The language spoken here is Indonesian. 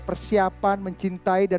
persiapan mencintai dan